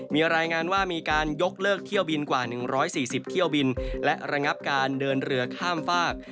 มีรายงานว่ามีการยกเลิกเที่ยวบินกว่า๑๔๐เที่ยวบินและระงับการเดินเรือข้ามฝาก